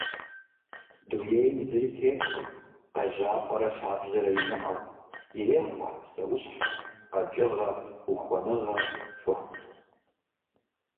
Дунейм зыри теткъым къежьапӏэрэ лъабжьэрэ имыӏэу, ирехъу ар псэущхьэ, къэкӏыгъэ, ухуэныгъэ, цӏыху.